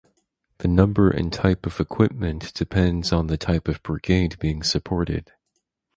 The number and type of equipment depends on the type of brigade being supported.